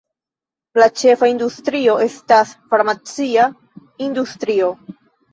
La ĉefa industrio estas farmacia industrio.